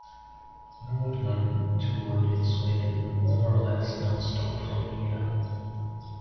Nordman toured in Sweden, more or less nonstop for a year.